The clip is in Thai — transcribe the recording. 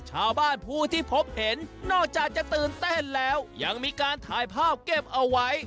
ชาวบ้านผู้ที่พบเห็นนอกจากจะตื่นเต้นแล้วยังมีการถ่ายภาพเก็บเอาไว้